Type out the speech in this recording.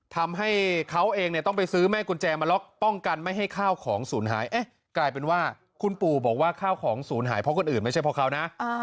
ทำให้เขาเองเนี่ยต้องไปซื้อแม่กุญแจมาล็อกป้องกันไม่ให้ข้าวของศูนย์หายกลายเป็นว่าคุณปู่บอกว่าข้าวของศูนย์หายเพราะคนอื่นไม่ใช่เพราะเขานะ